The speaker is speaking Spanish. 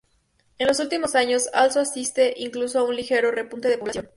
En los últimos años Alzo asiste incluso a un ligero repunte de población.